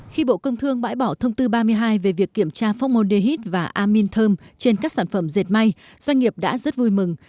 khi bộ công thương bãi bỏ thông tư ba mươi hai về việc kiểm tra phongmon dehid và amin thơm trên các sản phẩm dệt may doanh nghiệp đã rất vui mừng